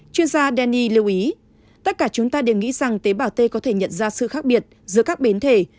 chuyên gia danny lưu ý tất cả chúng ta đều nghĩ rằng tế bảo t có thể nhận ra sự khác biệt giữa các biến thể